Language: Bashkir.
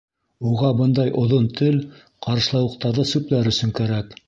Уға бындай оҙон тел ҡарышлауыҡтарҙы сүпләр өсөн кәрәк.